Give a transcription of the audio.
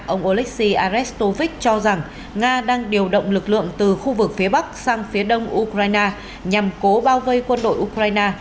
ông olexi arestovich cho rằng nga đang điều động lực lượng từ khu vực phía bắc sang phía đông ukraine nhằm cố bao vây quân đội ukraine